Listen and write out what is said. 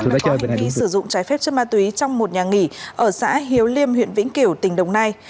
có hình đi sử dụng trái phép chất ma túy trong một nhà nghỉ ở xã hiếu liêm huyện vĩnh kiểu tỉnh đồng nai